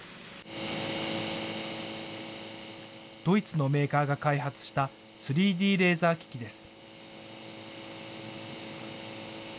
ドイツのメーカーが開発した、３Ｄレーザー機器です。